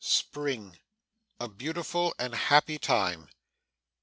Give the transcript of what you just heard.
'Spring! a beautiful and happy time!